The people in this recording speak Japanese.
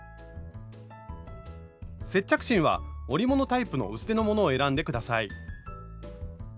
接着芯は織物タイプの薄手のものを選んで下さい。